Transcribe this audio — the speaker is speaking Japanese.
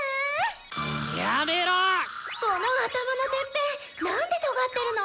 この頭のてっぺん何でとがってるの？